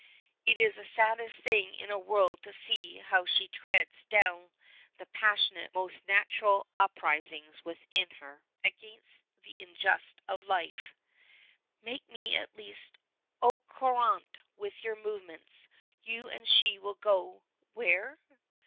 It is the saddest thing in the world to see how she treads down the passionate, most natural uprisings within her against the injustice of life: "Make me at least au courant with your movements, you and she will go where?"